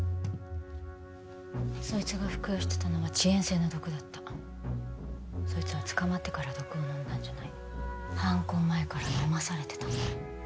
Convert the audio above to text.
そいつが服用してたのは遅延性の毒だったそいつは捕まってから毒を飲んだんじゃない犯行前から飲まされてたんだよ